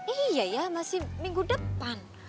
iya ya masih minggu depan